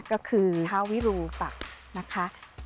ก็คือเท้าวิรุปะนะคะ